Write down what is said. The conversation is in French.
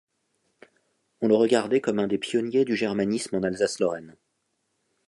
On le regardait comme un des pionniers du germanisme en Alsace-Lorraine.